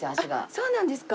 そうなんですか。